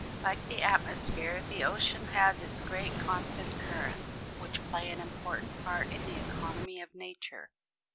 ] Like the atmosphere, the ocean has its great constant currents, which play an important part in the economy of nature.